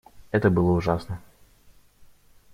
Это было ужасно.